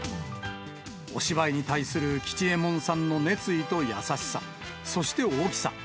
お芝居に対する吉右衛門さんの熱意と優しさ、そして大きさ。